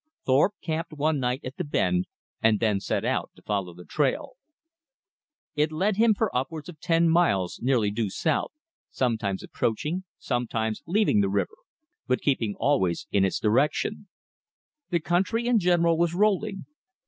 Thorpe camped one night at the bend, and then set out to follow the trail. * Accent the last syllable. It led him for upwards of ten miles nearly due south, sometimes approaching, sometimes leaving the river, but keeping always in its direction. The country in general was rolling.